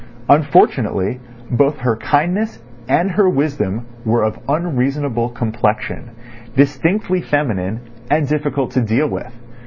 Unfortunately, both her kindness and her wisdom were of unreasonable complexion, distinctly feminine, and difficult to deal with.